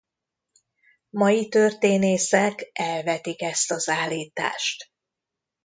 Mai történészek elvetik ezt az állítást.